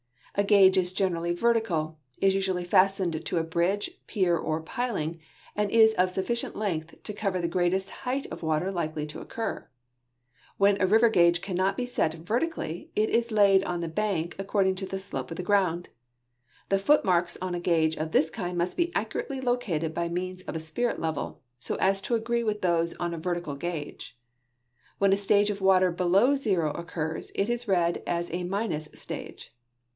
A gauge is generall}' vertical, is usually fastened to a bridge, pier, or piling, and is of sufficient length to cover the greatest height of water likely to occur. 'When a river gauge cannot be set vertically, it is laid on the bank according to the slope of the ground. The foot marks on a gauge of this kind must be accurately located by means of a spirit level, so as to agree with those on a vertical gauge. When a stage of water below the zero occurs, it is read as a minus stage.